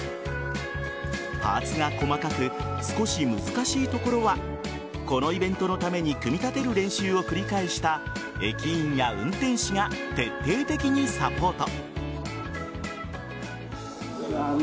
パーツが細かく少し難しいところはこのイベントのために組み立てる練習を繰り返した駅員や運転士が徹底的にサポート。